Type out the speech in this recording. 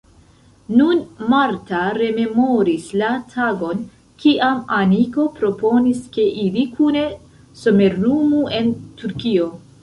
Nun Marta rememoris la tagon, kiam Aniko proponis, ke ili kune somerumu en Turkio.